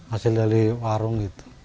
asal dari warung gitu